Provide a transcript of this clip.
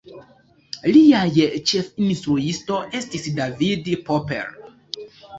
Liaj ĉefinstruisto estis David Popper.